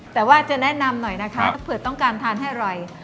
แต่ว่าจะแนะนำหน่อยนะคะถ้าเผื่อต้องการทานให้อร่อย